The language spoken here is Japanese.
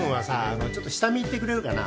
あのちょっと下見行ってくれるかな？